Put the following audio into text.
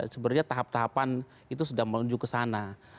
sebenarnya tahap tahapan itu sudah menuju ke sana